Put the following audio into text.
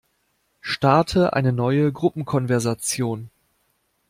Starte eine neue Gruppenkonversation.